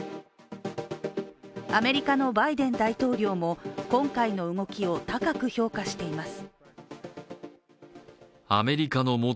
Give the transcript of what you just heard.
アメリカのバイデン大統領も今回の動きを高く評価しています。